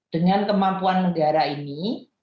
dengan kemampuan negara ini